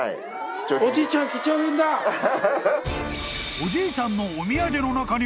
［おじいちゃんのお土産の中に］